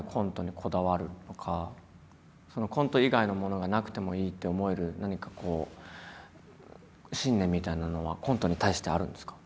コント以外のものがなくてもいいって思える何かこう信念みたいなのはコントに対してあるんですか？